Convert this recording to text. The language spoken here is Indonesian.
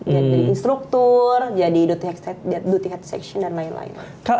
jadi instruktur jadi duty head section dan lain lain